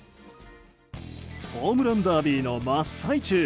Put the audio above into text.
ホームランダービーの真っ最中